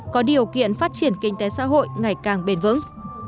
có điều kiện phát triển kinh tế xã hội ngày càng bền vững